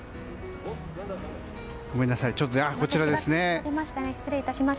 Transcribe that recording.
ごめんなさい、こちらですね。